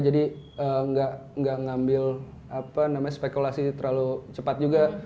jadi nggak ngambil spekulasi terlalu cepat juga